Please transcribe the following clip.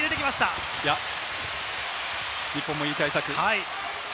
日本もいい対策。